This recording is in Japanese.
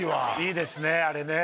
いいですねあれね。